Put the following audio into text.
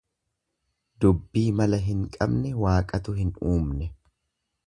Dubbii mala hin qabne waaqatu hin uumne.